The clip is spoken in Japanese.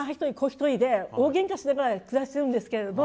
一人で大げんかしながら暮らしてるんですけれども